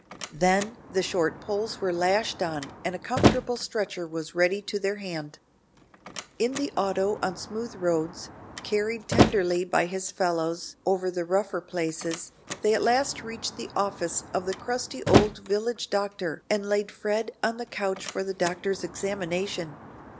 Then the short poles were lashed on and a comfortable stretcher was ready to their hand. In the auto on smooth roads, carried tenderly by his fellows over the rougher places, they at last reached the office of the crusty old village doctor and laid Fred on the couch for the doctor's examination.